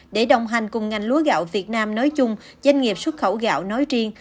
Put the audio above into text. để đồng hành cùng ngành lúa gạo việt nam nói chung doanh nghiệp xuất khẩu gạo nói riêng